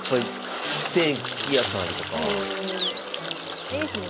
あれですもんね